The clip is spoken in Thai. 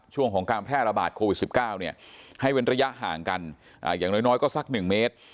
ช่วงของการแพร่ระบาดโควิด๑๙ให้เว้นระยะห่างกันอย่างน้อยก็สัก๑เมตร